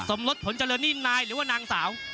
สมรสผลเจริญนี่นายหรือว่านางสาว